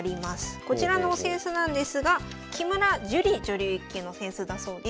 こちらのお扇子なんですが木村朱里女流１級の扇子だそうです。